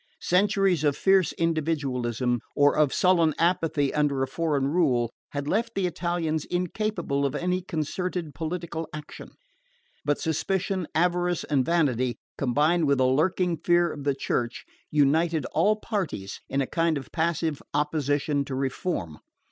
Centuries of fierce individualism, or of sullen apathy under a foreign rule, had left the Italians incapable of any concerted political action; but suspicion, avarice and vanity, combined with a lurking fear of the Church, united all parties in a kind of passive opposition to reform.